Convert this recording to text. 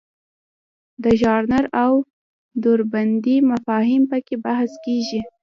د ژانر او دوربندۍ مفاهیم پکې بحث کیږي.